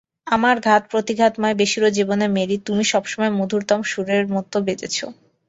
আমার ঘাত-প্রতিঘাতময় বেসুরো জীবনে মেরী, তুমি সব সময় মধুরতম সুরের মত বেজেছ।